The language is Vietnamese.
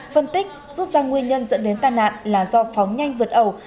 phân tích rút ra nguyên nhân dẫn đến tai nạn là do phóng nhanh vượt ẩu